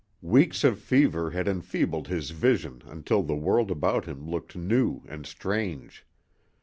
Weeks of fever had enfeebled his vision until the world about him looked new and strange.